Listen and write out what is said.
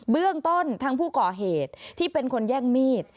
เรื่องต้นทางผู้ก่อเหตุที่เป็นคนแย่งมีด